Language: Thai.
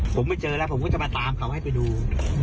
ผมไม่เจอแล้วผมก็จะมาตามเขาให้ไปดู